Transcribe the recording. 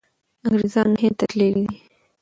انګریزان هند ته تللي دي.